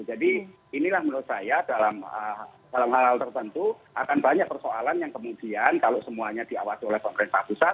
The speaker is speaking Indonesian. jadi inilah menurut saya dalam hal hal tertentu akan banyak persoalan yang kemudian kalau semuanya diawasi oleh pemerintah pusat